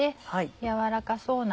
軟らかそうな。